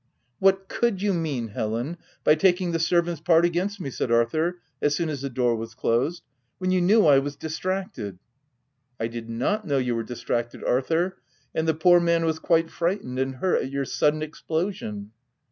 "What could you mean, Helen, by taking the servant's part against me/' said Arthur, as soon as the door was closed, " when you knew I was distracted ?" u I did not know you were distracted, Arthur, and the poor man w r as quite frightened and hurt at your sudden explosion."